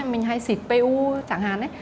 mình hay xịt pu chẳng hạn